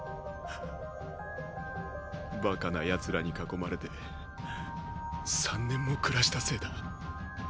バカな奴らに囲まれて３年も暮らしたせいだ。